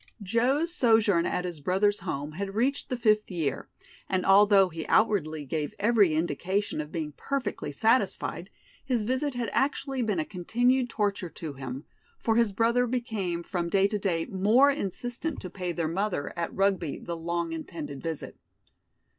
Joe's sojourn at his brother's home had reached the fifth year, and although he outwardly gave every indication of being perfectly satisfied, his visit had actually been a continued torture to him, for his brother became from day to day more insistent to pay their mother at Rugby the long intended visit.